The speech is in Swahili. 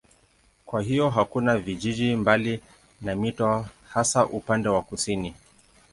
Kwa hiyo hakuna vijiji mbali na mito hasa upande wa kusini.